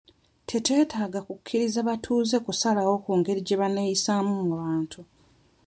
Tetwetaaga okukkiriza abatuuze okusalawo ku ngeri gye baneeyisaamu mu bantu.